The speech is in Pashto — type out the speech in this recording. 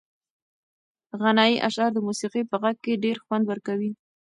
غنایي اشعار د موسیقۍ په غږ کې ډېر خوند ورکوي.